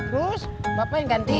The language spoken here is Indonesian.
terus bapak yang gantiin